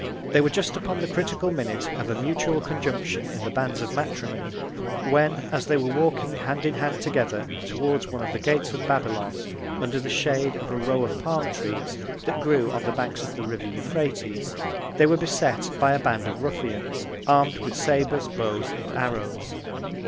They were just upon the critical Minute of a mutual Conjunction in the Bands of Matrimony, when, as they were walking Hand in Hand together towards one of the Gates of Babylon, under the Shade of a Row of Palm trees, that grew on the Banks of the River Euphrates, they were beset by a Band of Ruffians, arm'd with Sabres, Bows and Arrows.